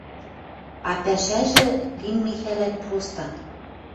А пӓшӓжӹ лин Михӓлӓн простан: